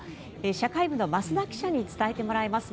社会部の増田記者に伝えてもらいます。